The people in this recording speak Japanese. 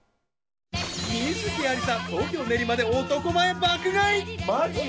観月ありさ、東京・練馬で男前爆買い。